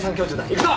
行くぞ！